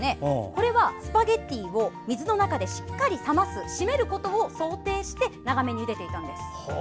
これは、スパゲッティを水の中でしっかりと冷ます締めることを想定して長めにゆでていたんです。